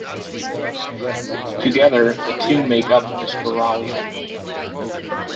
Together the two make up the Spiralia.